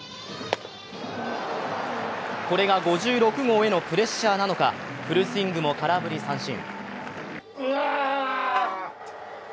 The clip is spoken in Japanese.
これが５６号へのプレッシャーなのかフルスイングも空振り三振。